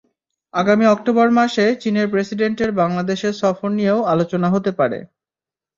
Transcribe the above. আগামী অক্টোবর মাসে চীনের প্রেসিডেন্টের বাংলাদেশের সফর নিয়েও আলোচনা হতে পারে।